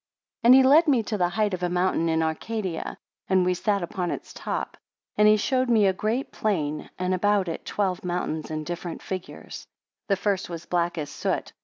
5 And he led me to the height of a mountain in Arcadia, and we sat upon its top. And he showed me a great plain, and about it twelve mountains in different figures. 6 The first was black as soot.